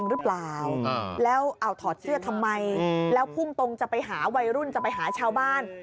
คือใส่แต่ยีนใช่มั้ย